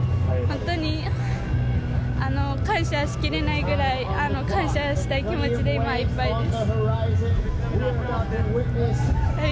本当に感謝しきれないぐらい感謝したい気持ちで今はいっぱいです。